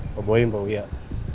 pak boy pak wiyah